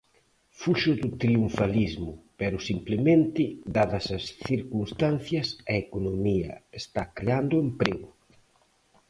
Fuxo do triunfalismo, pero simplemente, dadas as circunstancias, a economía está creando emprego.